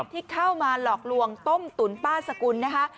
ที่เข้ามาหลอกลวงต้มตุ๋นป้าสกุลนะคะ